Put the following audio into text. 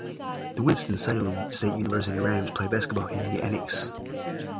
The Winston-Salem State University Rams play basketball in the annex.